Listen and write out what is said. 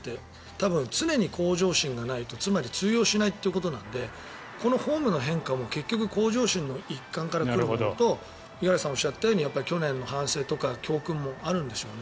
多分常に向上心がないと、つまり通用しないということなのでこのフォームの変化も結局向上心の一環から来るということと五十嵐さんがおっしゃったように去年の反省とか教訓もあるんでしょうね。